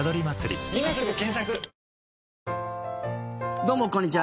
どうも、こんにちは。